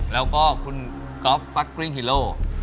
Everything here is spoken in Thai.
แล้วก็คุณก๊อฟฟักกริ้งฮีโร่